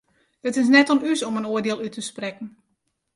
It is net oan ús om in oardiel út te sprekken.